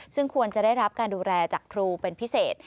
ซึ่งควรจะได้รับการดูแลจากครูเป็นพิเศษ